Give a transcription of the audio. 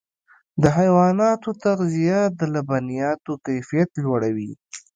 د حیواناتو تغذیه د لبنیاتو کیفیت لوړوي.